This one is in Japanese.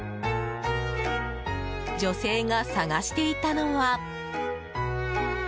女性が探していたのは。